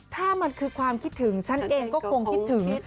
ถ้ามันคือความคิดถึงฉันเองก็คงคิดถึง